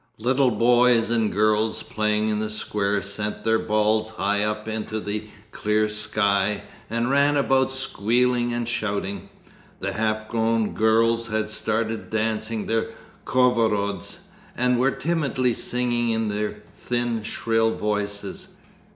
Little boys and girls playing in the square sent their balls high up into the clear sky, and ran about squealing and shouting. The half grown girls had started dancing their khorovods, and were timidly singing in their thin shrill voices.